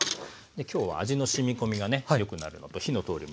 今日は味のしみ込みがね良くなるのと火の通りも良くなる。